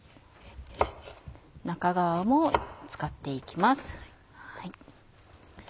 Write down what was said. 中側も使って行きます。